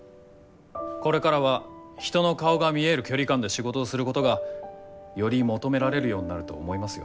これからは人の顔が見える距離感で仕事をすることがより求められるようになると思いますよ。